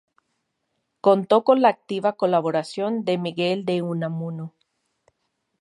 Contó con la activa colaboración de Miguel de Unamuno.